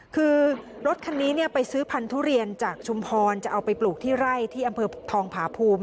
คือรถคันนี้ไปซื้อพันธุเรียนจากชุมพรจะเอาไปปลูกที่ไร่ที่อำเภอทองผาภูมิ